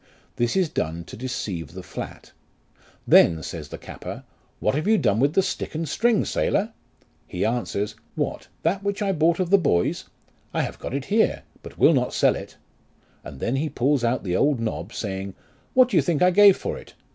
This is done to deceive the flat ; then, says the capper, What have you done with the stick and the string, sailor ? he answers, What, that which I bought of the boys ? I have got it here, but will not sell it ; and then he pulls out the old nob, saying, What do you think I gave for it